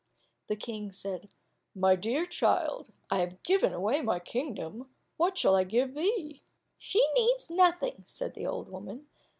The King said, "My dear child, I have given away my kingdom, what shall I give thee?" "She needs nothing," said the old woman.